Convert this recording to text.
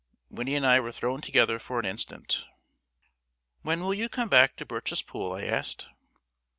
Winnie and I were thrown together for an instant. "When will you come back to Birchespool?" I asked.